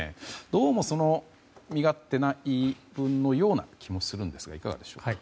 どうも、身勝手な言い分のような気もするんですがいかがでしょうか。